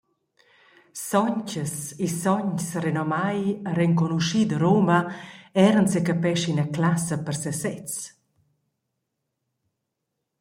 Sontgas e sogns renomai e renconuschi da Ruma eran secapescha ina classa per sesezs.